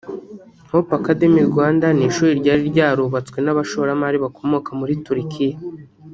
Hope Academy Rwanda ni ishuri ryari ryarubatswe n’abashoramari bakomoka muri Turikiya